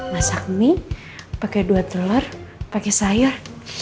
masak mie pakai dua telur pakai sayur